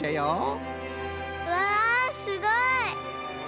うわすごい！